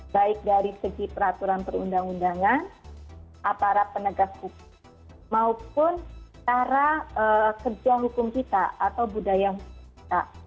baik dari segi peraturan perundang undangan aparat penegak hukum maupun cara kerja hukum kita atau budaya hukum kita